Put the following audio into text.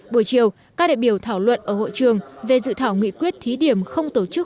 buổi chiều các đại biểu thảo luận ở hội trường về dự thảo nghị quyết thí điểm không tổ chức